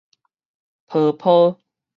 波波